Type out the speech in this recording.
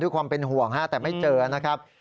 ความเป็นห่วงแต่ไม่เจอนะครับ